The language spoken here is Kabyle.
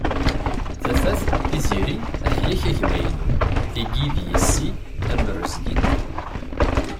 Tafat, Tiziri ahya-k a gma-inu. Tigi d yessi am warrezg-inu.